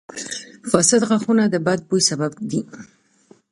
• فاسد غاښونه د بد بوي سبب دي.